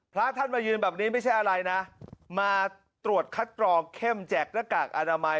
พระท่านมายืนแบบนี้ไม่ใช่อะไรนะมาตรวจคัดกรองเข้มแจกหน้ากากอนามัย